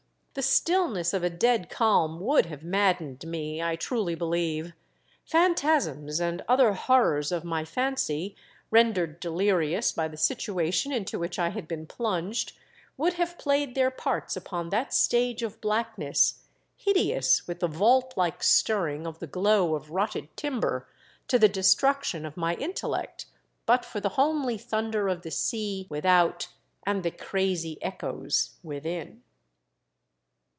The stillness of a dead calm would have maddened me. I trulv I INSPECT THE FLYING DUTCHMAN. I05 believe. Phantasms and other horrors of my fancy, rendered delirious by the situation into which I had been plunged, would have played their parts upon that stage of blackness, hideous with the vault like stirring of the glow of rotted timber, to the destruction of my intellect, but for the homely thunder of the sea without and the crazy echoes within.